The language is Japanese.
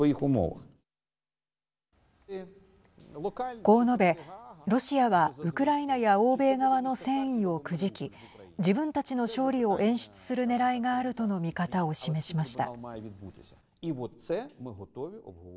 こう述べロシアはウクライナや欧米側の戦意をくじき自分たちの勝利を演出するねらいがあるとの見方を示しました。